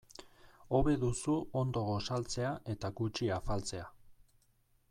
Hobe duzu ondo gosaltzea eta gutxi afaltzea.